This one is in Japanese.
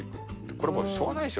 これもうしょうがないですよ。